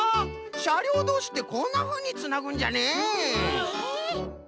しゃりょうどうしってこんなふうにつなぐんじゃね。